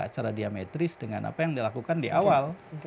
cara diametris dengan apa yang dilakukan di awal